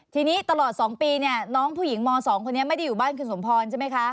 ทีนี้ตลอด๒ปีเนี่ยน้องผู้หญิงม๒คนนี้ไม่ได้อยู่บ้านคุณสมพรใช่ไหมคะ